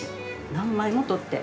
何枚も撮って。